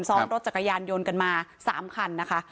ซ้อนรถจักรยานยนต์กันมา๓คันนะคะ